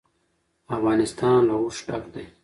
افغانستان له اوښ ډک دی.